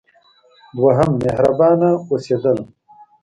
دوهم: مهربانه اوسیدل.